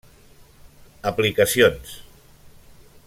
Aplicacions: